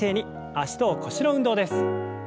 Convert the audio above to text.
脚と腰の運動です。